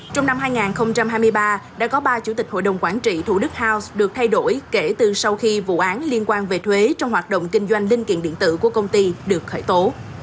trong năm hai nghìn hai mươi ba đã có ba chủ tịch hội đồng quản trị thủ đức house được thay đổi kể từ sau khi vụ án liên quan về thuế trong hoạt động kinh doanh linh kiện điện tử của công ty được khởi tố